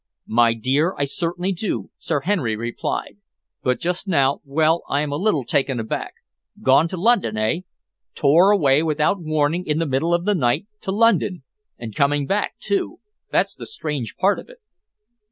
"My dear, I certainly do," Sir Henry replied, "but just now well, I am a little taken aback. Gone to London, eh? Tore away without warning in the middle of the night to London! And coming back, too that's the strange part of it!"